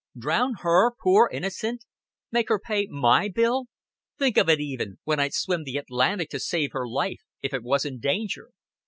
Drown her, poor innocent. Make her pay my bill. Think of it even when I'd swim the Atlantic to save her life, if it was in danger."